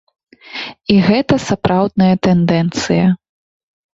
І гэта сапраўдная тэндэнцыя.